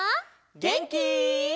げんき？